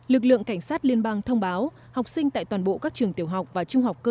lực lượng cảnh sát liên bang thông báo học sinh tại toàn bộ các trường tiểu học và trung học cơ sở